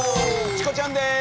チコちゃんです。